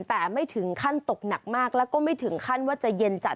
แต่ไม่ถึงขั้นตกหนักมากแล้วก็ไม่ถึงขั้นว่าจะเย็นจัด